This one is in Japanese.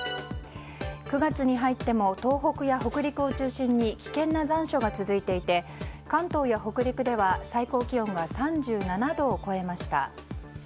９月に入っても東北や北陸を中心に危険な残暑が続いていて関東や北陸では最高気温が３７度を超えました。